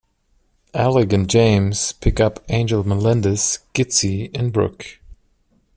Alig and James pick up Angel Melendez, Gitsie, and Brooke.